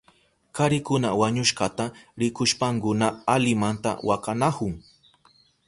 Karikuna wañushkata rikushpankuna alimanta wakanahun.